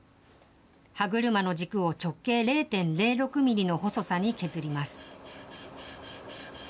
歯車の軸を直径０．０６ミリの細さに削ります。